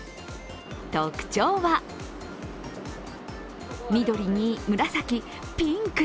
特徴は、緑に紫、ピンク。